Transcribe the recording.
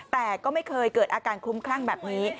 แต่ก็ไม่เคยเกิดอาการคลุ้มคลั่งแบบนี้